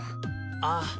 ああ。